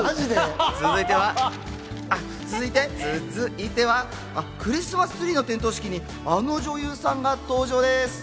続いてはクリスマスツリーの点灯式にあの女優さんが登場です。